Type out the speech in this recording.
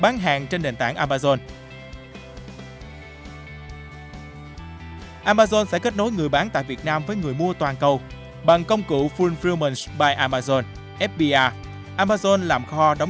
thì khi mà amazon sẽ đầu tư vào việt nam